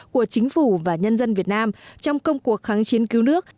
của chính phủ và nhân dân việt nam trong công cuộc kháng chiến cứu nước